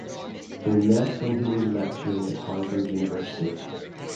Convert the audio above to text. They met when he was lecturing at Harvard University.